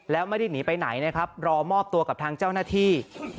แล้วไม่ได้หนีไปไหนนะครับรอมอบตัวกับทางเจ้าหน้าที่